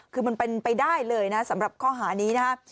คือมันเป็นไปได้เลยนะสำหรับข้อหานี้นะครับ